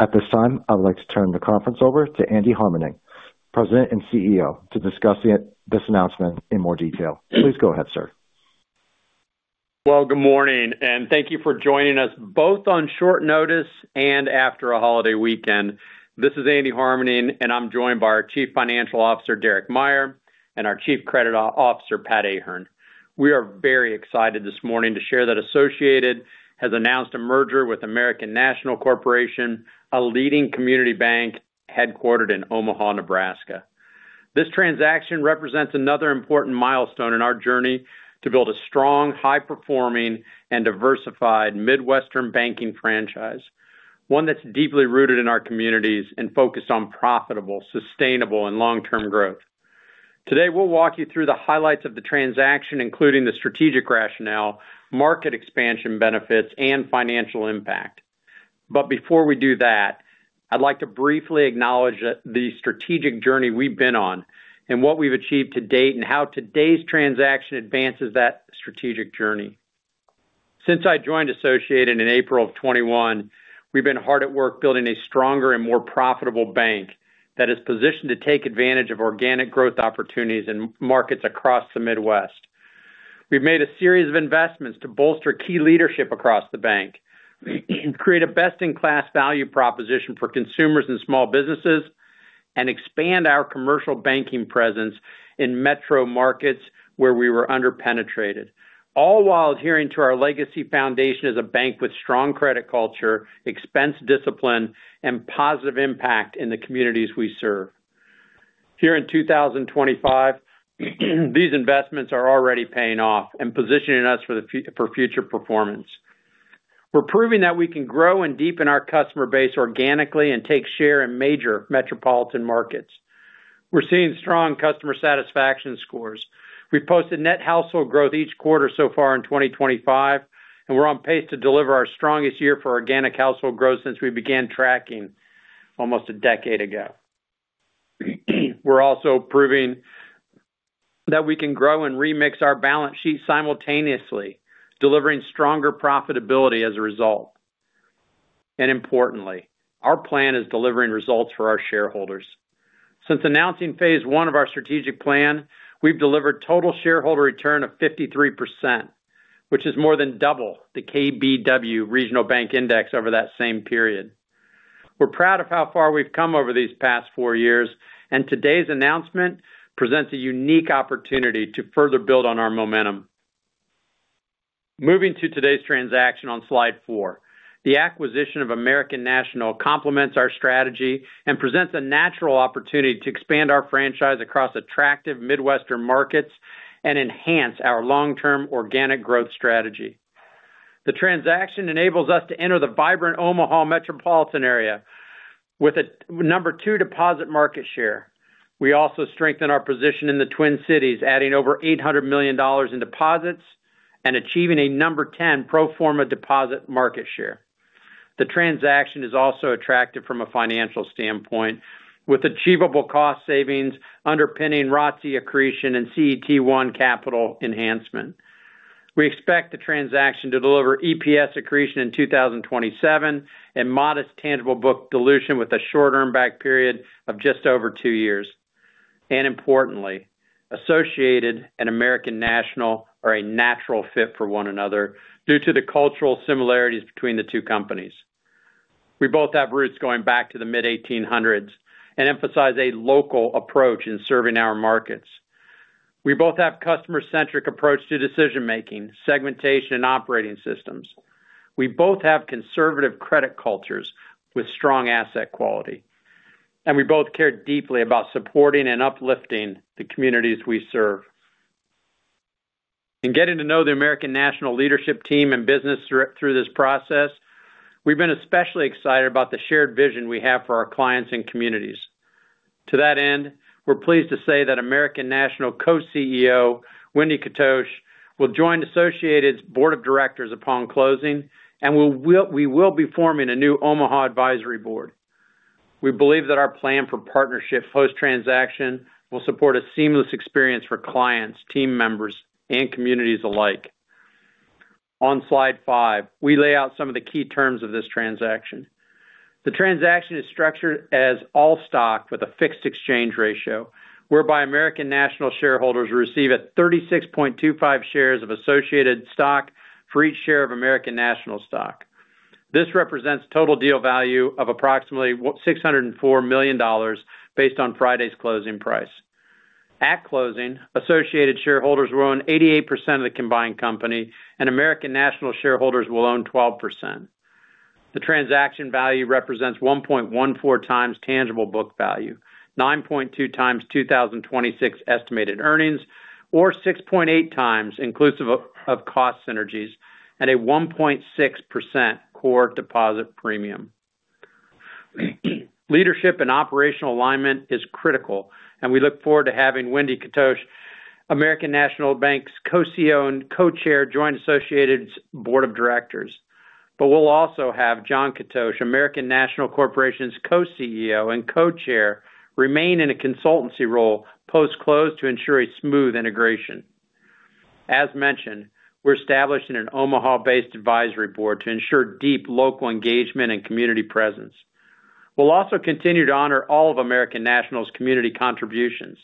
At this time, I would like to turn the conference over to Andy Harmening, President and CEO, to discuss this announcement in more detail. Please go ahead, sir. Good morning, and thank you for joining us both on short notice and after a Holiday weekend. This is Andy Harmening, and I'm joined by our Chief Financial Officer, Derek Meyer, and our Chief Credit Officer, Pat Ahern. We are very excited this morning to share that Associated has announced a Merger with American National Corporation, a leading Community Bank headquartered in Omaha, Nebraska. This transaction represents another important milestone in our journey to build a strong, high-performing, and diversified Midwestern Banking Franchise, one that's deeply rooted in our communities and focused on profitable, sustainable, and long-term growth. Today, we'll walk you through the highlights of the transaction, including the Strategic rationale, Market expansion benefits, and Financial impact. Before we do that, I'd like to briefly acknowledge the Strategic journey we've been on and what we've achieved to date and how today's transaction advances that Strategic journey. Since I joined Associated in April of 2021, we've been hard at work building a stronger and more profitable Bank that is positioned to take advantage of organic growth opportunities in Markets across the Midwest. We've made a series of investments to bolster key leadership across the Bank, create a best-in-class value proposition for Consumers and Small Businesses, and expand our Commercial Banking presence in Metro markets where we were underpenetrated, all while adhering to our legacy foundation as a Bank with strong credit culture, expense discipline, and positive impact in the communities we serve. Here in 2025, these investments are already paying off and positioning us for future performance. We're proving that we can grow and deepen our customer base organically and take share in major Metropolitan markets. We're seeing strong customer satisfaction scores. We posted net household growth each quarter so far in 2025, and we're on pace to deliver our strongest year for organic household growth since we began tracking almost a decade ago. We're also proving that we can grow and remix our Balance Sheet simultaneously, delivering stronger profitability as a result. Importantly, our plan is delivering results for our Shareholders. Since announcing phase I of our Strategic plan, we've delivered total Shareholder Return of 53%, which is more than double the KBW Regional Bank Index over that same period. We're proud of how far we've come over these past four years, and today's announcement presents a unique opportunity to further build on our momentum. Moving to today's transaction on slide four, the acquisition of American National complements our strategy and presents a natural opportunity to expand our Franchise across attractive Midwestern Markets and enhance our long-term organic growth strategy. The transaction enables us to enter the vibrant Omaha Metropolitan area with a number two Deposit market share. We also strengthen our position in the Twin Cities, adding over $800 million in deposits and achieving a number 10 Pro-forma Deposit market share. The transaction is also attractive from a Financial standpoint, with achievable Cost savings underpinning ROTE accretion and CET1 Capital enhancement. We expect the transaction to deliver EPS accretion in 2027 and modest tangible book dilution with a short earnback period of just over two years. Importantly, Associated and American National are a natural fit for one another due to the cultural similarities between the two companies. We both have roots going back to the mid-1800s and emphasize a local approach in serving our markets. We both have a customer-centric approach to decision-making, segmentation, and operating systems. We both have conservative credit cultures with strong asset quality, and we both care deeply about supporting and uplifting the communities we serve. In getting to know the American National leadership team and business through this process, we've been especially excited about the shared vision we have for our clients and communities. To that end, we're pleased to say that American National Co-CEO, Wende Kotouc, will join Associated's board of directors upon closing, and we will be forming a new Omaha Advisory Board. We believe that our plan for partnership post-transaction will support a seamless experience for Clients, Team members, and Communities alike. On slide five, we lay out some of the key terms of this transaction. The transaction is structured as all stock with a fixed Exchange ratio, whereby American National Shareholders receive 36.25 shares of Associated Stock for each share of American National Stock. This represents total deal value of approximately $604 million based on Friday's closing price. At closing, Associated Shareholders will own 88% of the combined company, and American National Shareholders will own 12%. The transaction value represents 1.14 times tangible book value, 9.2 times 2026 estimated earnings, or 6.8 times inclusive of Cost synergies, and a 1.6% core deposit premium. Leadership and Operational alignment is critical, and we look forward to having Wende Kotouc, American National Bank's Co-CEO and Co-Chair, join Associated's board of directors. We will also have John Kotouc, American National Corporation's Co-CEO and Co-Chair, remain in a consultancy role post-close to ensure a smooth integration. As mentioned, we are establishing an Omaha-based advisory board to ensure deep local engagement and community presence. We will also continue to honor all of American National's community contributions.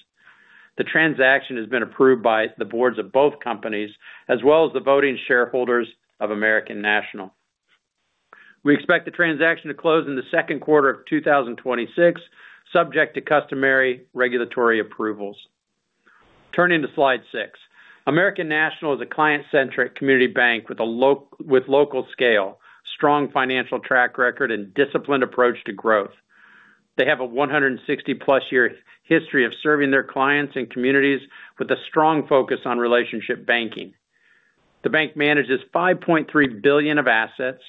The transaction has been approved by the Boards of both companies, as well as the voting Shareholders of American National. We expect the transaction to close in the second quarter of 2026, subject to customary regulatory approvals. Turning to slide six, American National is a client-centric Community Bank with a local scale, strong Financial track record, and disciplined approach to growth. They have a 160-plus year history of serving their clients and communities with a strong focus on relationship Banking. The Bank manages $5.3 billion of assets,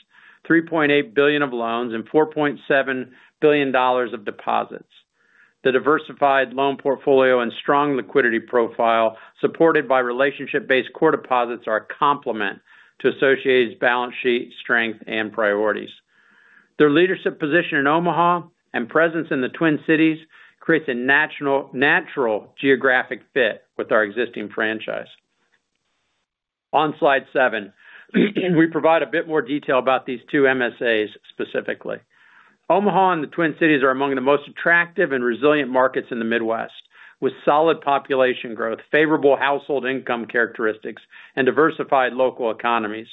$3.8 billion of loans, and $4.7 billion of deposits. The diversified Loan portfolio and strong Liquidity profile supported by relationship-based core deposits are a complement to Associated's Balance Sheet strength and priorities. Their leadership position in Omaha and presence in the Twin Cities creates a natural geographic fit with our existing Franchise. On slide seven, we provide a bit more detail about these two MSAs specifically. Omaha and the Twin Cities are among the most attractive and resilient markets in the Midwest, with solid population growth, favorable household income characteristics, and diversified local Economies.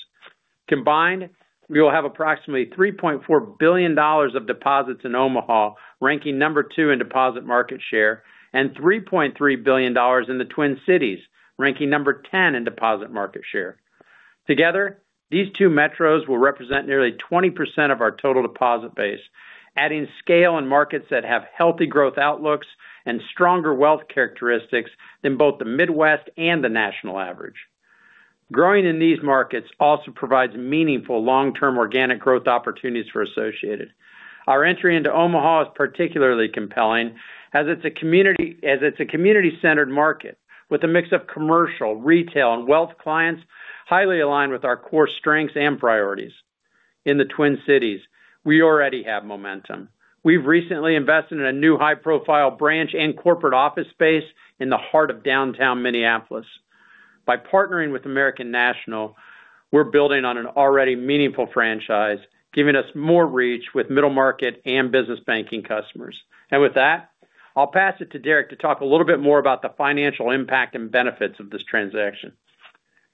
Combined, we will have approximately $3.4 billion of deposits in Omaha, ranking number two in Deposit market share, and $3.3 billion in the Twin Cities, ranking number 10 in Deposit market share. Together, these two Metros will represent nearly 20% of our total deposit base, adding scale in markets that have healthy growth outlooks and stronger wealth characteristics than both the Midwest and the National average. Growing in these markets also provides meaningful long-term organic growth opportunities for Associated. Our entry into Omaha is particularly compelling as it's a Community-centered market with a mix of Commercial, Retail, and Wealth clients highly aligned with our core strengths and priorities. In the Twin Cities, we already have momentum. We've recently invested in a new high-profile Branch and Corporate office space in the heart of downtown Minneapolis. By partnering with American National, we're building on an already meaningful Franchise, giving us more reach with Middle market and business Banking customers. With that, I'll pass it to Derek to talk a little bit more about the financial impact and benefits of this transaction.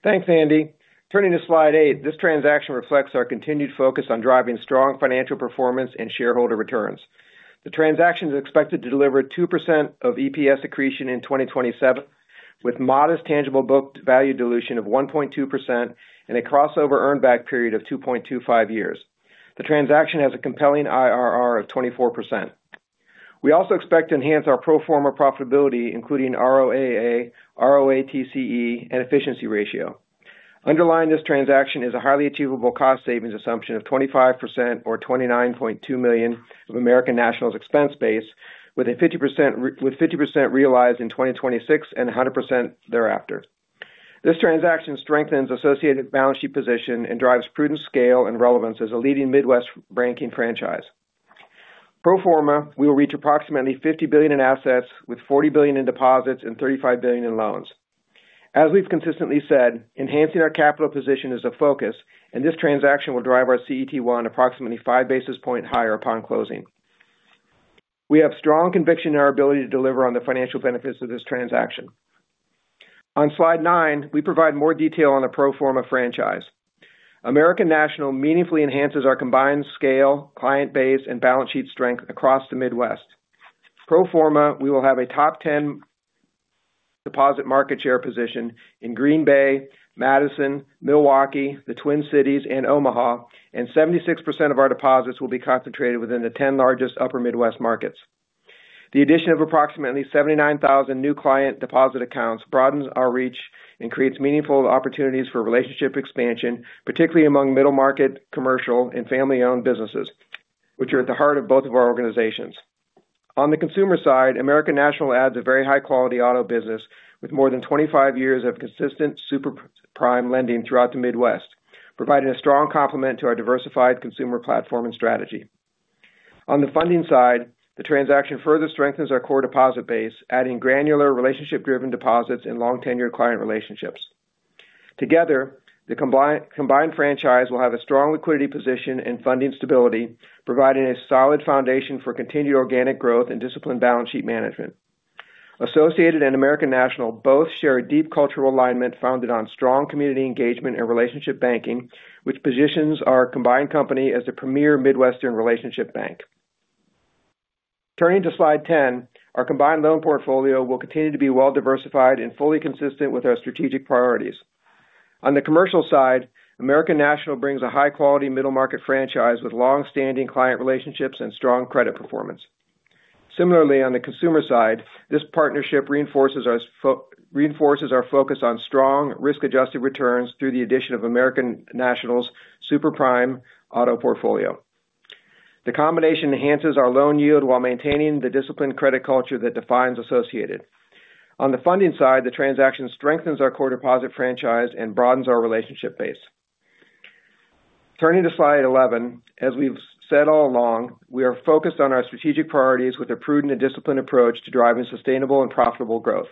Thanks, Andy. Turning to slide eight, this transaction reflects our continued focus on driving strong Financial performance and Shareholder returns. The transaction is expected to deliver 2% of EPS accretion in 2027, with modest tangible book value dilution of 1.2% and a crossover earnback period of 2.25 years. The transaction has a compelling IRR of 24%. We also expect to enhance our Pro-forma profitability, including ROAA, ROATCE, and Efficiency ratio. Underlying this transaction is a highly achievable cost savings assumption of 25% or $29.2 million of American National's expense base, with 50% realized in 2026 and 100% thereafter. This transaction strengthens Associated's balance sheet position and drives prudent scale and relevance as a leading Midwest Banking Franchise. Pro-forma, we will reach approximately $50 billion in assets, with $40 billion in deposits and $35 billion in loans. As we've consistently said, enhancing our capital position is a focus, and this transaction will drive our CET1 approximately five basis points higher upon closing. We have strong conviction in our ability to deliver on the Financial benefits of this transaction. On slide nine, we provide more detail on the Pro-forma Franchise. American National meaningfully enhances our combined scale, client base, and Balance Sheet strength across the Midwest. Pro-forma, we will have a top 10 Deposit market share position in Green Bay, Madison, Milwaukee, the Twin Cities, and Omaha, and 76% of our deposits will be concentrated within the 10 largest upper Midwest markets. The addition of approximately 79,000 new client Deposit Accounts broadens our reach and creates meaningful opportunities for relationship expansion, particularly among Middle market, Commercial, and Family-owned businesses, which are at the heart of both of our organizations. On the consumer side, American National adds a very high-quality auto business with more than 25 years of consistent super prime lending throughout the Midwest, providing a strong complement to our diversified Consumer platform and Strategy. On the Funding side, the transaction further strengthens our core deposit base, adding granular relationship-driven deposits and long-tenured client relationships. Together, the combined Franchise will have a strong Liquidity position and Funding stability, providing a solid foundation for continued organic growth and disciplined Balance Sheet management. Associated and American National both share a deep cultural alignment founded on strong community engagement and relationship Banking, which positions our combined company as a premier Midwestern relationship Bank. Turning to slide 10, our combined loan portfolio will continue to be well-diversified and fully consistent with our strategic priorities. On the Commercial side, American National brings a high-quality middle market Franchise with long-standing Client relationships and strong Credit performance. Similarly, on the Consumer side, this partnership reinforces our focus on strong, risk-adjusted returns through the addition of American National's super prime auto portfolio. The combination enhances our loan yield while maintaining the disciplined credit culture that defines Associated. On the Funding side, the transaction strengthens our core deposit Franchise and broadens our relationship base. Turning to slide 11, as we've said all along, we are focused on our strategic priorities with a prudent and disciplined approach to driving sustainable and profitable growth.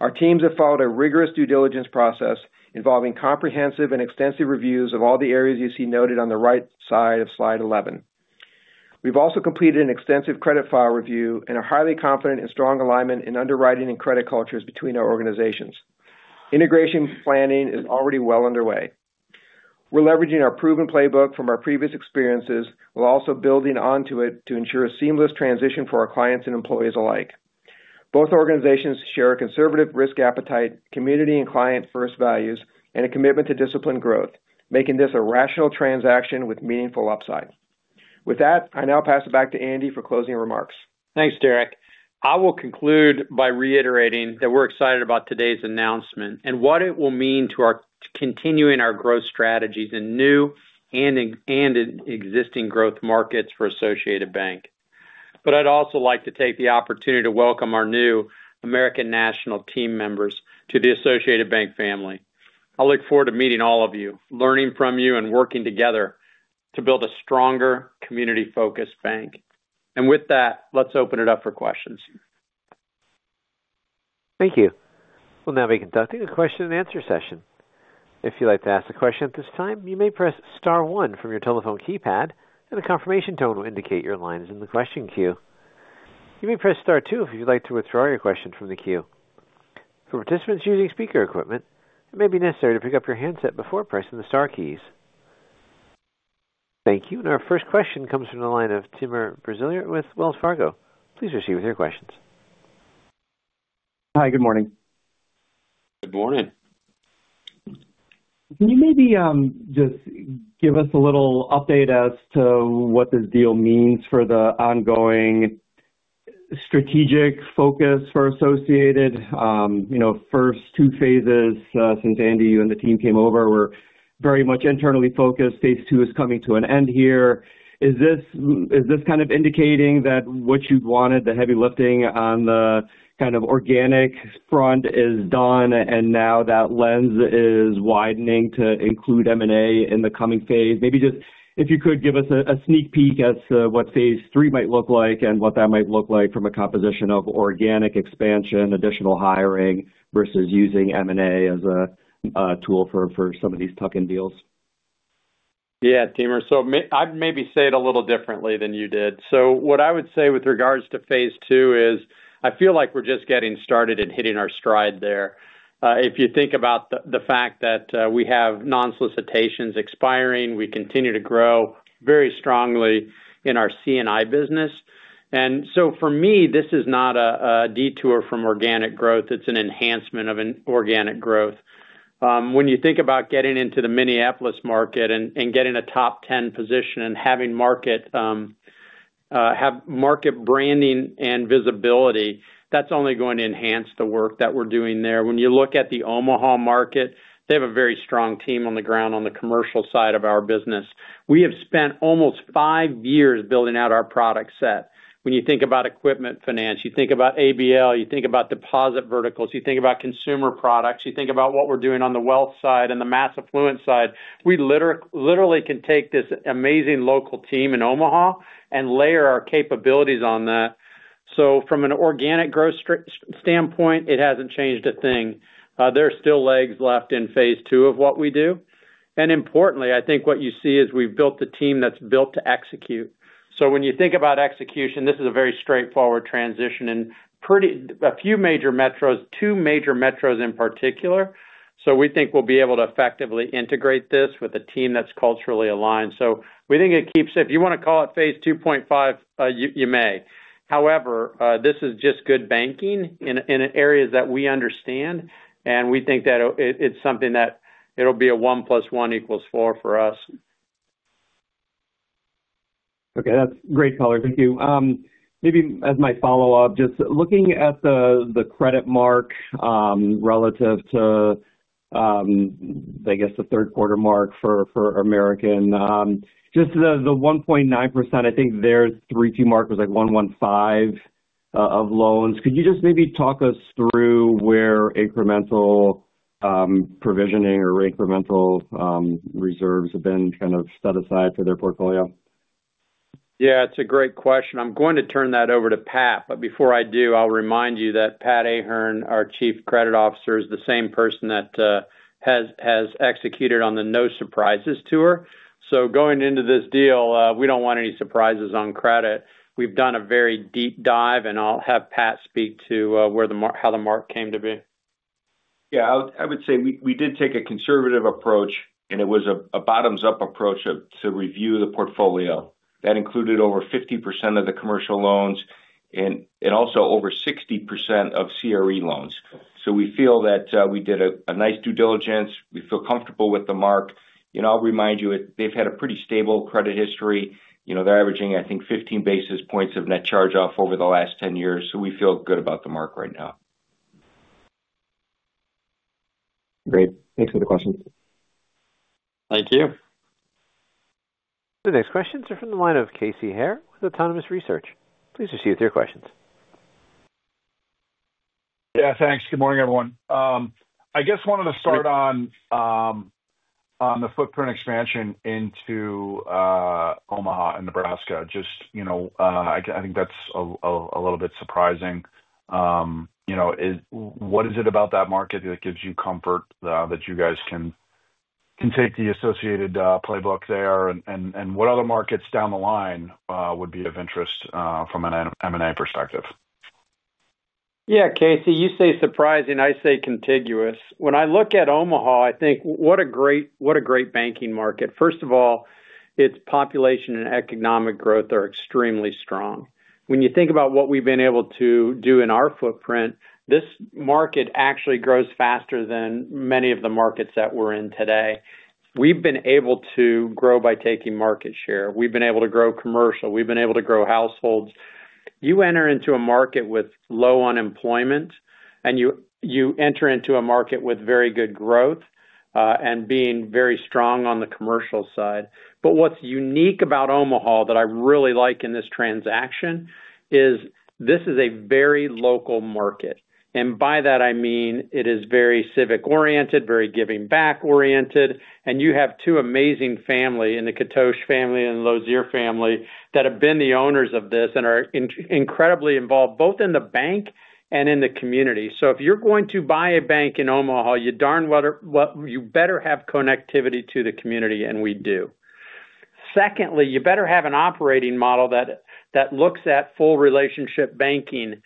Our teams have followed a rigorous due diligence process involving comprehensive and extensive reviews of all the areas you see noted on the right side of slide 11. We've also completed an extensive credit file review and are highly confident in strong alignment in underwriting and credit cultures between our Organizations. Integration planning is already well underway. We're leveraging our proven playbook from our previous experiences while also building onto it to ensure a seamless transition for our clients and employees alike. Both organizations share a conservative risk appetite, community and client-first values, and a commitment to disciplined growth, making this a rational transaction with meaningful upside. With that, I now pass it back to Andy for closing remarks. Thanks, Derek. I will conclude by reiterating that we're excited about today's announcement and what it will mean to continue our growth strategies in new and existing growth markets for Associated Bank. I would also like to take the opportunity to welcome our new American National team members to the Associated Bank family. I look forward to meeting all of you, learning from you, and working together to build a stronger, community-focused Bank. With that, let's open it up for questions. Thank you. We will now be conducting a question-and-answer session. If you would like to ask a question at this time, you may press star one from your telephone keypad, and a confirmation tone will indicate your line is in the question queue. You may press star two if you would like to withdraw your question from the queue. For participants using speaker equipment, it may be necessary to pick up your handset before pressing the star keys. Thank you. Our first question comes from the line of Timur Braziler with Wells Fargo. Please proceed with your questions. Hi, good morning. Good morning. Can you maybe just give us a little update as to what this deal means for the ongoing strategic focus for Associated? First two phases, since Andy, you and the team came over, were very much internally focused. Phase II is coming to an end here. Is this kind of indicating that what you've wanted, the heavy lifting on the kind of organic front, is done, and now that lens is widening to include M&A in the coming phase? Maybe just if you could give us a sneak peek as to what phase III might look like and what that might look like from a composition of organic expansion, additional hiring versus using M&A as a tool for some of these tuck-in deals. Yeah, Timur, I’d maybe say it a little differently than you did. What I would say with regards to phase II is I feel like we’re just getting started and hitting our stride there. If you think about the fact that we have non-solicitations expiring, we continue to grow very strongly in our C&I business. For me, this is not a detour from organic growth. It’s an enhancement of organic growth. When you think about getting into the Minneapolis market and getting a top 10 position and having Market branding and Visibility, that’s only going to enhance the work that we’re doing there. When you look at the Omaha market, they have a very strong team on the ground on the Commercial side of our business. We have spent almost five years building out our product set. When you think about equipment Finance, you think about ABL, you think about deposit Verticals, you think about Consumer products, you think about what we're doing on the Wealth side and the Mass affluence side, we literally can take this amazing local team in Omaha and layer our capabilities on that. From an organic growth standpoint, it hasn't changed a thing. There are still legs left in phase II of what we do. Importantly, I think what you see is we've built the team that's built to execute. When you think about execution, this is a very straightforward transition in a few major Metros, two major Metros in particular. We think we'll be able to effectively integrate this with a team that's culturally aligned. We think it keeps it, if you want to call it phase 2.5, you may. However, this is just good Banking in areas that we understand, and we think that it's something that it'll be a one plus one equals four for us. Okay, that's great color. Thank you. Maybe as my follow-up, just looking at the credit mark relative to, I guess, the third quarter mark for American, just the 1.9%, I think there's three T markers like 115 of loans. Could you just maybe talk us through where incremental provisioning or incremental reserves have been kind of set aside for their portfolio? Yeah, it's a great question. I'm going to turn that over to Pat, but before I do, I'll remind you that Pat Ahern, our Chief Credit Officer, is the same person that has executed on the no surprises tour. Going into this deal, we don't want any surprises on credit. We've done a very deep dive, and I'll have Pat speak to how the mark came to be. Yeah, I would say we did take a conservative approach, and it was a bottoms-up approach to review the portfolio. That included over 50% of the Commercial loans and also over 60% of CRE loans. We feel that we did a nice due diligence. We feel comfortable with the mark. I'll remind you, they've had a pretty stable credit history. They're averaging, I think, 15 basis points of Net charge-off over the last 10 years. We feel good about the mark right now. Great. Thanks for the questions. Thank you. The next questions are from the line of Casey Haire with Autonomous Research. Please proceed with your questions. Yeah, thanks. Good morning, everyone. I guess wanted to start on the footprint expansion into Omaha and Nebraska. Just I think that's a little bit surprising. What is it about that market that gives you comfort that you guys can take the Associated playbook there? What other markets down the line would be of interest from an M&A perspective? Yeah, Casey, you say surprising. I say contiguous. When I look at Omaha, I think, what a great Banking market. First of all, its population and Economic growth are extremely strong. When you think about what we've been able to do in our footprint, this market actually grows faster than many of the markets that we're in today. We've been able to grow by taking Market share. We've been able to grow Commercial. We've been able to grow Households. You enter into a market with low unemployment, and you enter into a market with very good growth and being very strong on the Commercial side. What is unique about Omaha that I really like in this transaction is this is a very local Market. By that, I mean it is very civic-oriented, very giving-back-oriented. You have two amazing families, the Kotouc family and the Lozier family, that have been the owners of this and are incredibly involved both in the Bank and in the Community. If you are going to buy a Bank in Omaha, you better have connectivity to the community, and we do. Secondly, you better have an Operating model that looks at full relationship Banking,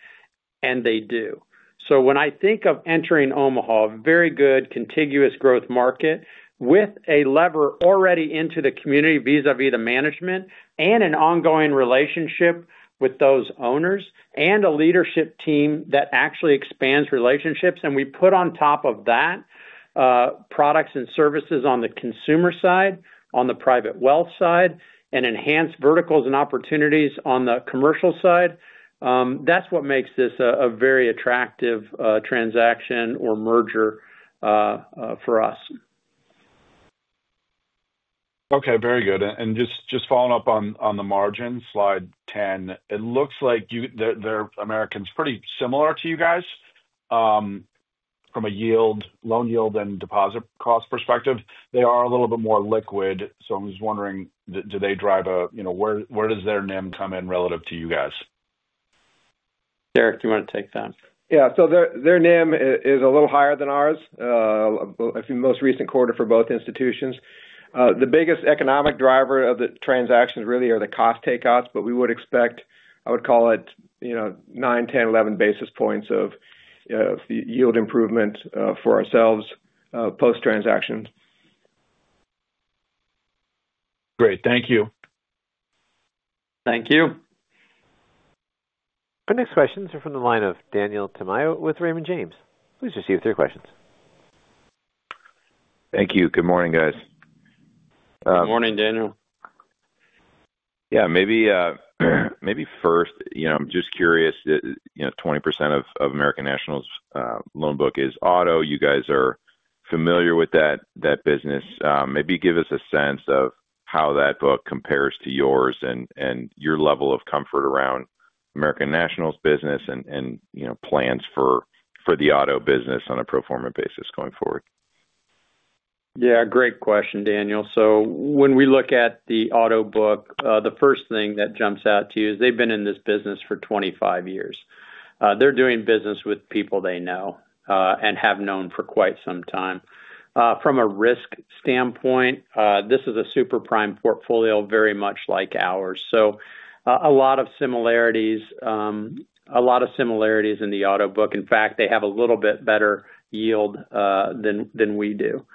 and they do. When I think of entering Omaha, a very good contiguous growth market with a lever already into the community vis-à-vis the management and an ongoing relationship with those Owners and a Leadership team that actually expands relationships. We put on top of that products and services on the Consumer side, on the private wealth side, and enhanced verticals and opportunities on the Commercial side. That is what makes this a very attractive transaction or merger for us. Okay, very good. Just following up on the margins, slide 10, it looks like their Americans are pretty similar to you guys from a loan yield and deposit cost perspective. They are a little bit more liquid. I'm just wondering, do they drive a where does their NIM come in relative to you guys? Derek, do you want to take that? Yeah, so their NIM is a little higher than ours, I think, most recent quarter for both institutions. The biggest economic driver of the transactions really are the cost takeouts, but we would expect, I would call it 9, 10, and 11 basis points of yield improvement for ourselves post-transaction. Great, thank you. Thank you. The next questions are from the line of Daniel Tamayo with Raymond James. Please proceed with your questions. Thank you. Good morning, guys. Good morning, Daniel. Yeah, maybe first, I'm just curious, 20% of American National's loan book is auto. You guys are familiar with that business. Maybe give us a sense of how that book compares to yours and your level of comfort around American National's business and plans for the Auto business on a Pro-forma basis going forward. Yeah, great question, Daniel. When we look at the auto book, the first thing that jumps out to you is they've been in this business for 25 years. They're doing business with people they know and have known for quite some time. From a risk standpoint, this is a super prime portfolio, very much like ours. A lot of similarities, a lot of similarities in the auto book. In fact, they have a little bit better yield than we do.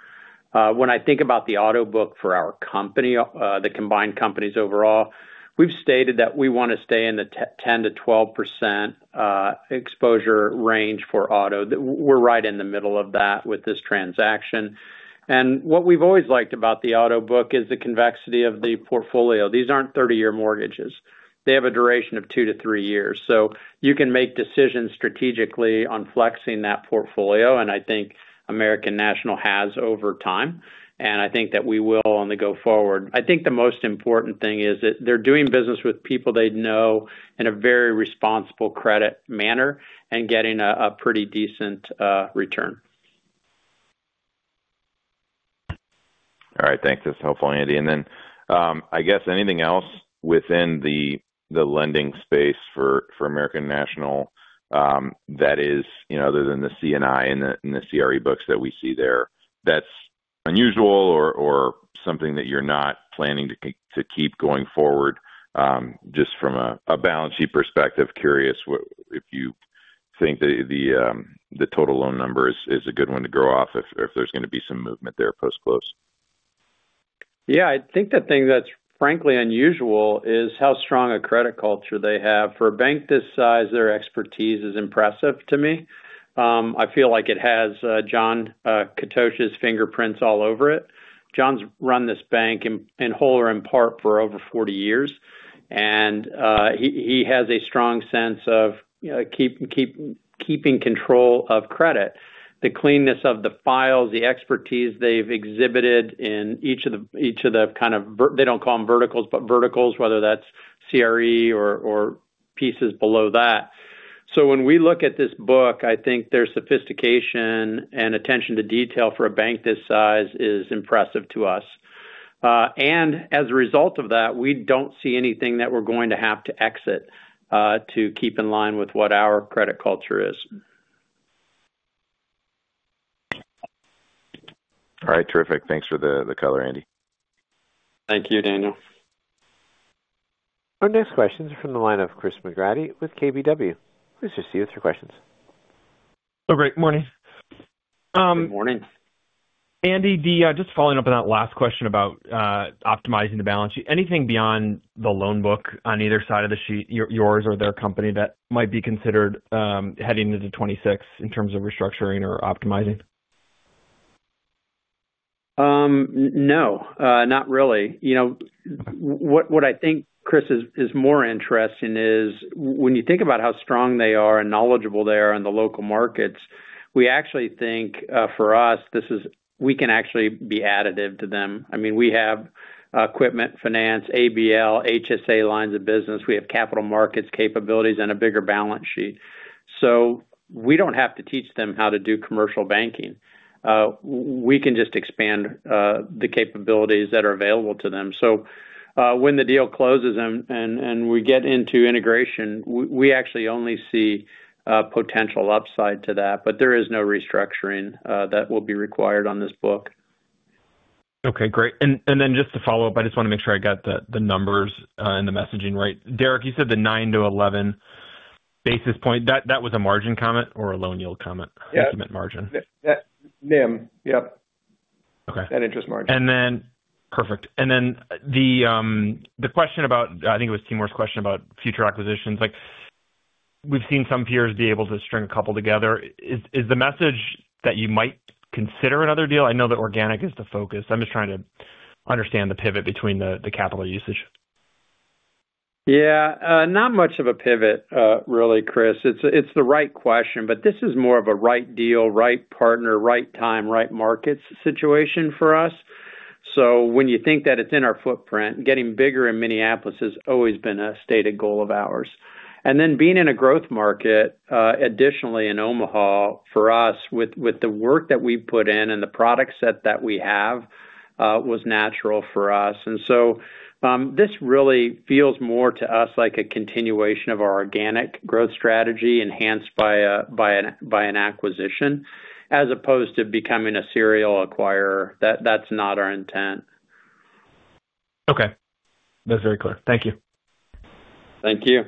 When I think about the auto book for our company, the combined companies overall, we've stated that we want to stay in the 10-12% exposure range for auto. We're right in the middle of that with this transaction. What we've always liked about the auto book is the convexity of the portfolio. These aren't 30-year Mortgages. They have a duration of two to three years. You can make decisions strategically on flexing that portfolio, and I think American National has over time. I think that we will on the go forward. I think the most important thing is that they're doing business with people they know in a very responsible credit manner and getting a pretty decent return. All right, thanks. That's helpful, Andy. I guess anything else within the lending space for American National that is other than the C&I and the CRE books that we see there, that's unusual or something that you're not planning to keep going forward just from a balance sheet perspective? Curious if you think that the total loan number is a good one to go off if there's going to be some movement there post-close. Yeah, I think the thing that's frankly unusual is how strong a credit culture they have. For a Bank this size, their expertise is impressive to me. I feel like it has John Kotouc's fingerprints all over it. John's run this Bank in whole or in part for over 40 years, and he has a strong sense of keeping control of credit. The cleanness of the files, the expertise they've exhibited in each of the kind of they don't call them Verticals, but Verticals, whether that's CRE or pieces below that. When we look at this book, I think their sophistication and attention to detail for a Bank this size is impressive to us. As a result of that, we don't see anything that we're going to have to exit to keep in line with what our credit culture is. All right, terrific. Thanks for the color, Andy. Thank you, Daniel. Our next questions are from the line of Chris McGratty with KBW. Please proceed with your questions. Hello, great. Morning. Good morning. Andy, just following up on that last question about optimizing the balance sheet, anything beyond the Loan book on either side of the sheet, yours or their company that might be considered heading into 2026 in terms of restructuring or optimizing? No, not really. What I think, Chris, is more interesting is when you think about how strong they are and knowledgeable they are in the local markets, we actually think for us, we can actually be additive to them. I mean, we have Equipment Finance, ABL, HSA lines of business. We have Capital markets capabilities and a bigger Balance Sheet. We do not have to teach them how to do Commercial Banking. We can just expand the capabilities that are available to them. When the deal closes and we get into integration, we actually only see potential upside to that, but there is no restructuring that will be required on this book. Okay, great. Just to follow up, I just want to make sure I got the numbers and the messaging right. Derek, you said the 9-11 basis point. That was a margin comment or a loan yield comment? Yes. Margin? NIM, yep. That Interest Margin. Okay. Perfect. The question about, I think it was Timur's question about future acquisitions, we've seen some peers be able to string a couple together. Is the message that you might consider another deal? I know that organic is the focus. I'm just trying to understand the pivot between the capital usage. Yeah, not much of a pivot really, Chris. It's the right question, but this is more of a right deal, right partner, right time, right markets situation for us. When you think that it's in our footprint, getting bigger in Minneapolis has always been a stated goal of ours. Being in a growth market, additionally in Omaha, for us, with the work that we've put in and the product set that we have, was natural for us. This really feels more to us like a continuation of our organic growth strategy enhanced by an acquisition as opposed to becoming a serial acquirer. That's not our intent. Okay. That's very clear. Thank you. Thank you.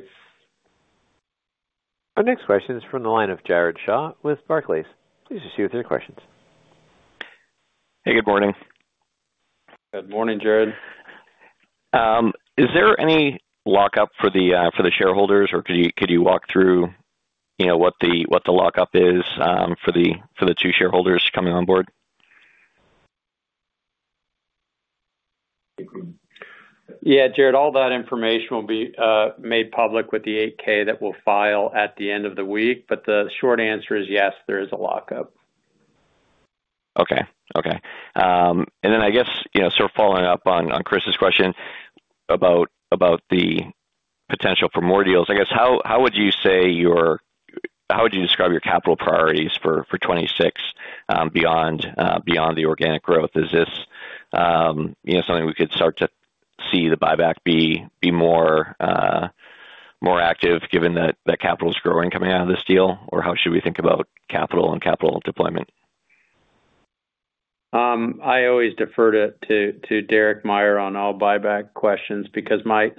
Our next question is from the line of Jared Shaw with Barclays. Please proceed with your questions. Hey, good morning. Good morning, Jared. Is there any lockup for the Shareholders, or could you walk through what the lockup is for the two Shareholders coming on board? Yeah, Jared, all that information will be made public with the 8K that we'll file at the end of the week. The short answer is yes, there is a lockup. Okay. Okay. I guess sort of following up on Chris's question about the potential for more deals, I guess, how would you say your, how would you describe your capital priorities for 2026 beyond the organic growth? Is this something we could start to see the buyback be more active given that capital is growing coming out of this deal? How should we think about Capital and Capital deployment? I always defer to Derek Meyer on all buyback questions because my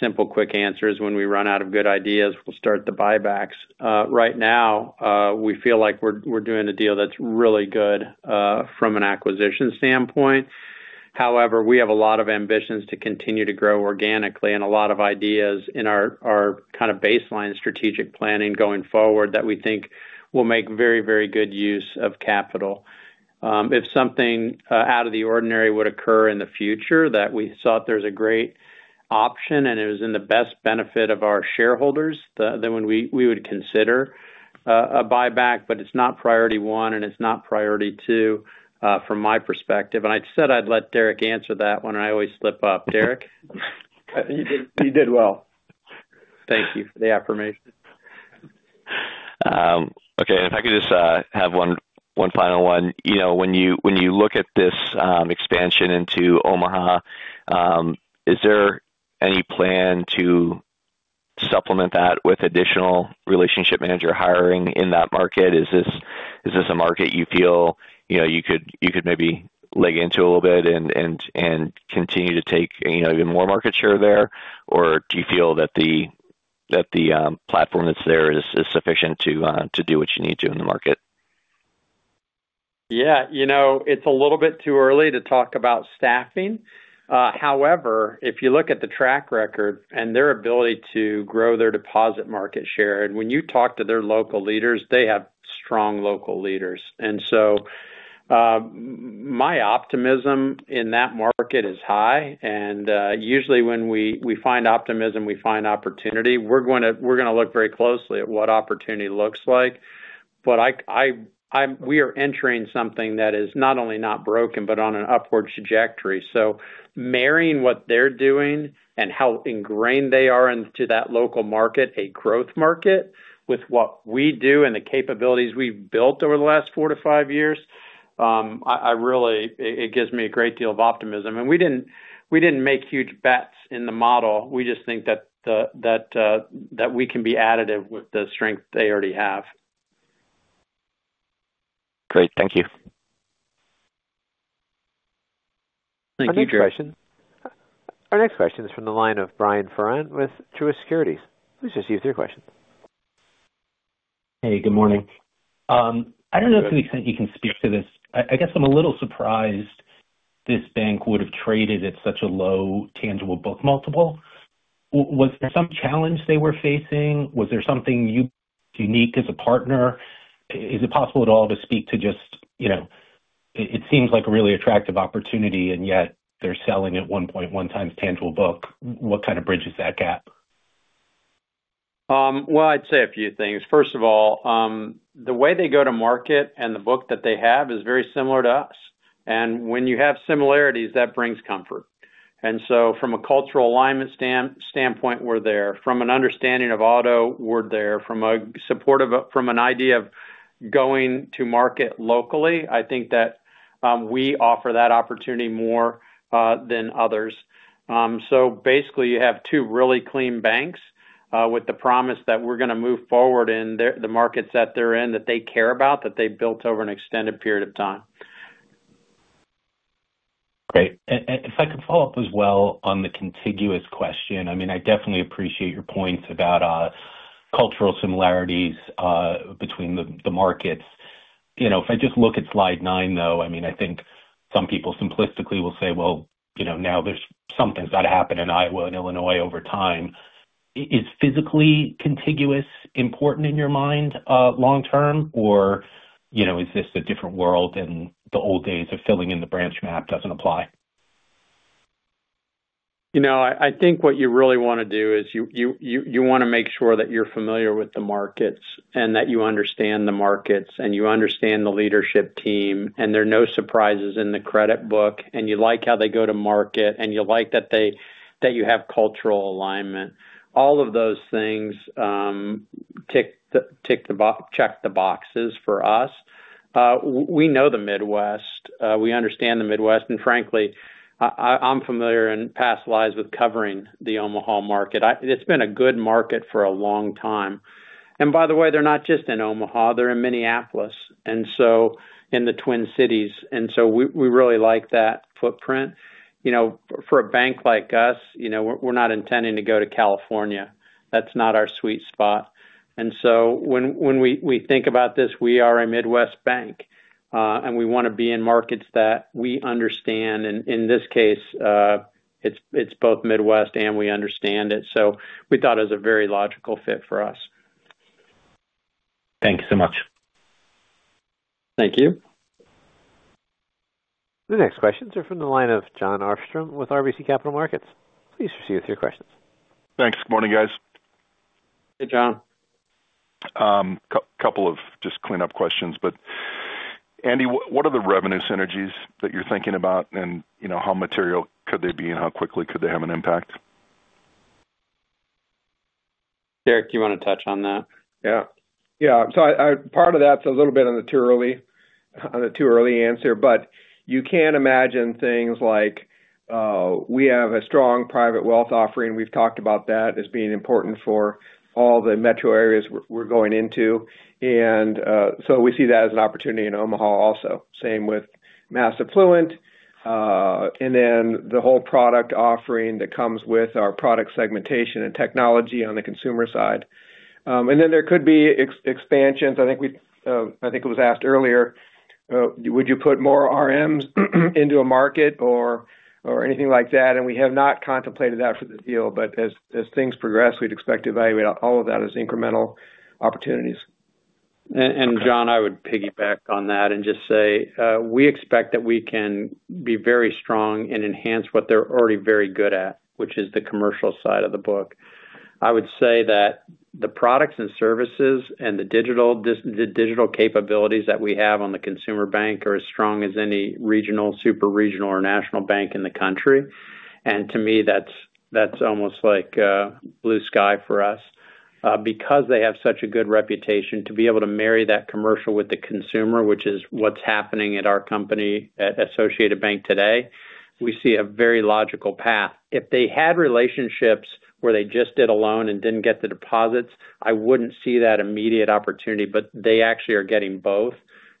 simple quick answer is when we run out of good ideas, we'll start the buybacks. Right now, we feel like we're doing a deal that's really good from an acquisition standpoint. However, we have a lot of ambitions to continue to grow organically and a lot of ideas in our kind of baseline strategic planning going forward that we think will make very, very good use of capital. If something out of the ordinary would occur in the future that we thought there's a great option and it was in the best benefit of our Shareholders, then we would consider a buyback. It is not priority one, and it is not priority two from my perspective. I said I'd let Derek answer that one, and I always slip up. Derek? You did well. Thank you for the affirmation. Okay. If I could just have one final one. When you look at this expansion into Omaha, is there any plan to supplement that with additional Relationship Manager hiring in that market? Is this a market you feel you could maybe leg into a little bit and continue to take even more Market share there? Or do you feel that the platform that's there is sufficient to do what you need to in the market? Yeah, it's a little bit too early to talk about staffing. However, if you look at the track record and their ability to grow their Deposit market share, and when you talk to their Local leaders, they have strong Local leaders. My optimism in that market is high. Usually when we find optimism, we find opportunity. We're going to look very closely at what opportunity looks like. We are entering something that is not only not broken, but on an upward trajectory. Marrying what they're doing and how ingrained they are into that Local market, a Growth market, with what we do and the capabilities we've built over the last four to five years, it gives me a great deal of optimism. We didn't make huge bets in the model. We just think that we can be additive with the strength they already have. Great. Thank you. Thank you, Jared. Our next question is from the line of Brian Foran with Truist Securities. Please proceed with your questions. Hey, good morning. I don't know to the extent you can speak to this. I guess I'm a little surprised this Bank would have traded at such a low tangible book multiple. Was there some challenge they were facing? Was there something unique as a partner? Is it possible at all to speak to just it seems like a really attractive opportunity, and yet they're selling at 1.1 times tangible book. What kind of bridges that gap? I’d say a few things. First of all, the way they go to market and the book that they have is very similar to us. When you have similarities, that brings comfort. From a cultural alignment standpoint, we’re there. From an understanding of Auto, we’re there. From an idea of going to market locally, I think that we offer that opportunity more than others. Basically, you have two really clean Banks with the promise that we’re going to move forward in the markets that they’re in that they care about, that they’ve built over an extended period of time. Great. If I could follow up as well on the contiguous question, I mean, I definitely appreciate your points about cultural similarities between the markets. If I just look at slide nine, though, I mean, I think some people simplistically will say, "Well, now something's got to happen in Iowa and Illinois over time." Is physically contiguous important in your mind long-term, or is this a different world and the old days of filling in the branch map doesn't apply? I think what you really want to do is you want to make sure that you're familiar with the markets and that you understand the markets and you understand the Leadership team. There are no surprises in the Credit book. You like how they go to market, and you like that you have cultural alignment. All of those things tick the check the boxes for us. We know the Midwest. We understand the Midwest. Frankly, I'm familiar in past lives with covering the Omaha market. It's been a good market for a long time. By the way, they're not just in Omaha. They're in Minneapolis and in the Twin Cities. We really like that footprint. For a Bank like us, we're not intending to go to California. That's not our sweet spot. When we think about this, we are a Midwest Bank, and we want to be in markets that we understand. In this case, it is both Midwest, and we understand it. We thought it was a very logical fit for us. Thank you so much. Thank you. The next questions are from the line of Jon Arfstrom with RBC Capital Markets. Please proceed with your questions. Thanks. Good morning, guys. Hey, John. Couple of just clean-up questions. Andy, what are the Revenue synergies that you're thinking about, and how material could they be, and how quickly could they have an impact? Derek, do you want to touch on that? Yeah. Yeah. Part of that is a little bit on the too early answer, but you can imagine things like we have a strong private wealth offering. We have talked about that as being important for all the metro areas we are going into. We see that as an opportunity in Omaha also. Same with mass affluent. The whole product offering that comes with our product segmentation and technology on the Consumer side. There could be expansions. I think it was asked earlier, would you put more RMs into a market or anything like that? We have not contemplated that for the deal. As things progress, we would expect to evaluate all of that as incremental opportunities. John, I would piggyback on that and just say we expect that we can be very strong and enhance what they are already very good at, which is the Commercial side of the book. I would say that the products and services and the digital capabilities that we have on the Consumer Bank are as strong as any Regional, super Regional, or National Bank in the country. To me, that is almost like blue sky for us. Because they have such a good reputation, to be able to marry that Commercial with the consumer, which is what is happening at our company at Associated Bank today, we see a very logical path. If they had relationships where they just did a loan and did not get the deposits, I would not see that immediate opportunity. They actually are getting both.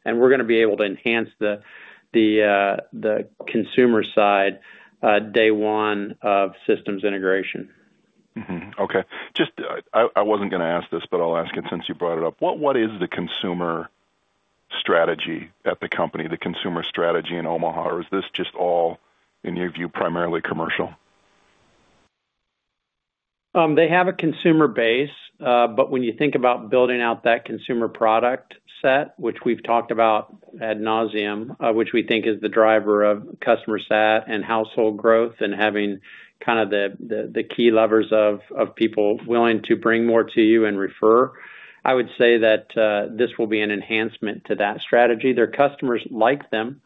We are going to be able to enhance the Consumer side day one of systems integration. Okay. I wasn't going to ask this, but I'll ask it since you brought it up. What is the Consumer strategy at the company, the Consumer strategy in Omaha? Or is this just all, in your view, primarily Commercial? They have a consumer base. When you think about building out that consumer product set, which we've talked about ad nauseam, which we think is the driver of customer sat and household growth and having kind of the key levers of people willing to bring more to you and refer, I would say that this will be an enhancement to that strategy. Their customers like them.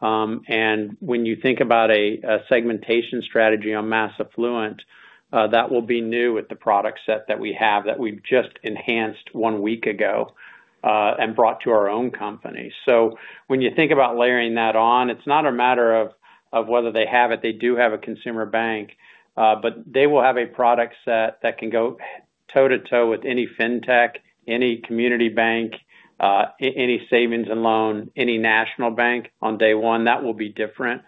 When you think about a segmentation strategy on mass affluent, that will be new with the product set that we have that we've just enhanced one week ago and brought to our own company. When you think about layering that on, it's not a matter of whether they have it. They do have a Consumer Bank. They will have a product set that can go toe to toe with any fintech, any community Bank, any savings and loan, any National Bank on day one. That will be different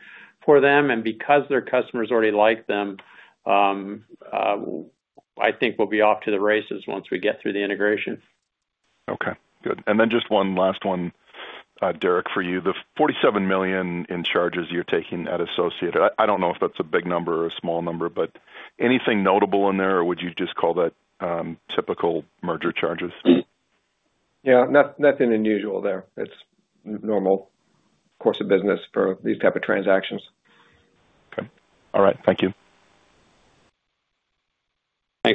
for them. And because their customers already like them, I think we'll be off to the races once we get through the integration. Okay. Good. And then just one last one, Derek, for you. The $47 million in charges you're taking at Associated, I don't know if that's a big number or a small number, but anything notable in there, or would you just call that typical Merger charges? Yeah. Nothing unusual there. It's normal course of business for these types of transactions. Okay. All right. Thank you.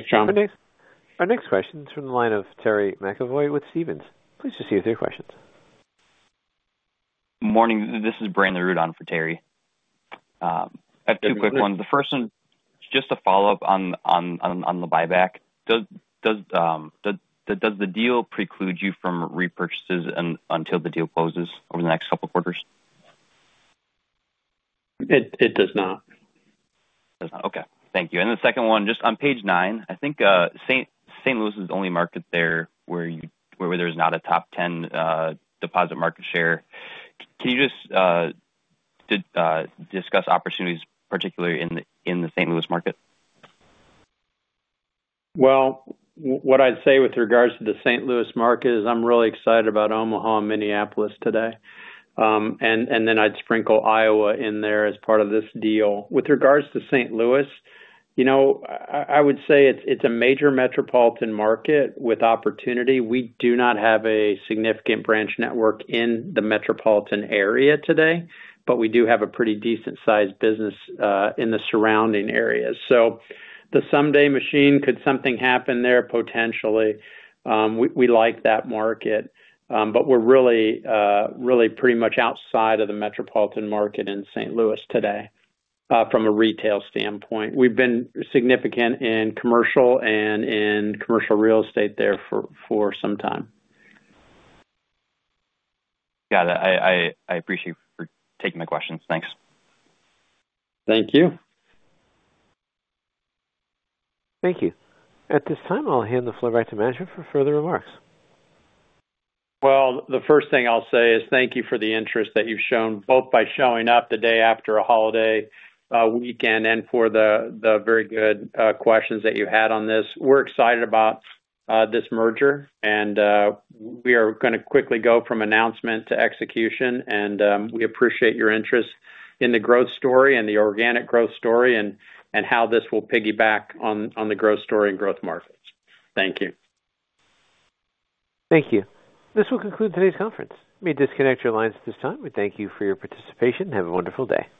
Thanks, John. Our next question is from the line of Terry McEvoy with Stephens. Please proceed with your questions. Morning. This is Brandon Rud for Terry. I have two quick ones. The first one, just a follow-up on the buyback. Does the deal preclude you from repurchases until the deal closes over the next couple of quarters? It does not. Does not. Okay. Thank you. The second one, just on page nine, I think St. Louis is the only market there where there is not a top 10 Deposit market share. Can you just discuss opportunities, particularly in the St. Louis market? What I'd say with regards to the St. Louis market is I'm really excited about Omaha and Minneapolis today. I'd sprinkle Iowa in there as part of this deal. With regards to St. Louis, I would say it's a major Metropolitan market with opportunity. We do not have a significant branch network in the Metropolitan area today, but we do have a pretty decent-sized business in the surrounding areas. The someday machine, could something happen there potentially? We like that market. We are really pretty much outside of the Metropolitan market in St. Louis today from a Retail standpoint. We've been significant in commercial and in Commercial Real Estate there for some time. Got it. I appreciate you taking my questions. Thanks. Thank you. Thank you. At this time, I'll hand the floor back to Andy for further remarks. The first thing I'll say is thank you for the interest that you've shown both by showing up the day after a holiday weekend and for the very good questions that you had on this. We're excited about this merger, and we are going to quickly go from announcement to execution. We appreciate your interest in the growth story and the organic growth story and how this will piggyback on the growth story and growth markets. Thank you. Thank you. This will conclude today's conference. We will disconnect your lines at this time. We thank you for your participation. Have a wonderful day.